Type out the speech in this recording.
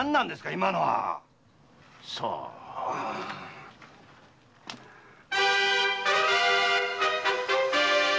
今のは⁉さあな。